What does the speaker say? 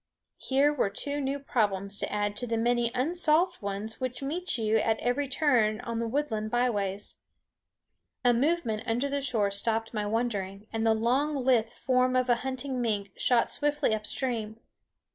Here were two new problems to add to the many unsolved ones which meet you at every turn on the woodland byways. A movement under the shore stopped my wondering, and the long lithe form of a hunting mink shot swiftly up stream.